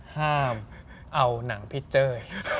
ห้ามเอาหนังพี่เจ้ย